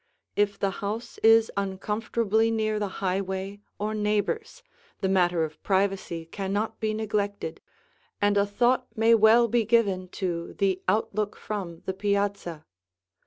If the house is uncomfortably near the highway or neighbors, the matter of privacy cannot be neglected, and a thought may well be given to the outlook from the piazza.